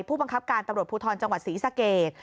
ผู้บังคับการตำรวจภูทรจังหวัดศรีสะเกด